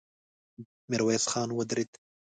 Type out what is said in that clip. ميرويس خان ودرېد.